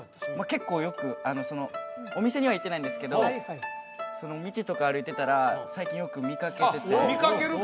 結構よくお店には行ってないんですけど道とか歩いてたら最近よく見かけてて見かける？